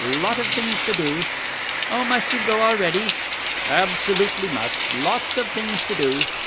Lot of things to do." "Oh, must you go already?" "Absolutely must. Lots of things to do."